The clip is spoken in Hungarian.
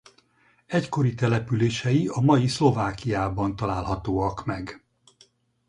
Egykori települései a mai Szlovákiában találhatóak meg.